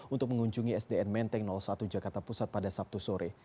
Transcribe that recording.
untuk mengunjungi sdn menteng satu jakarta pusat pada sabtu sore